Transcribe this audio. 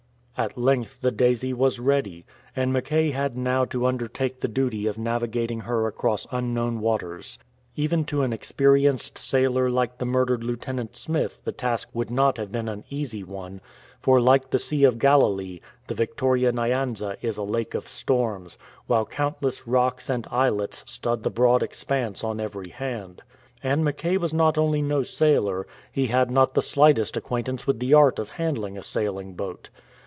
At length the Daisij was ready, and Mackay had now to undertake the duty of navigating her across the unknown waters. Even to an experienced sailor like the murdered Lieutenant Smith the task would not have been an easy one, for like the Sea of Galilee, the Victoria Nyanza is a lake of storms, while countless rocks and islets stud the broad expanse on every hand. And Mackay was not only no sailor, he had not the slightest acquaintance with the art of handling a sailing boat.